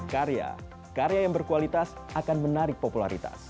karya karya yang berkualitas akan menarik popularitas